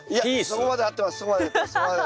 そこまで合ってます。